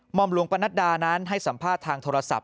อมหลวงปนัดดานั้นให้สัมภาษณ์ทางโทรศัพท์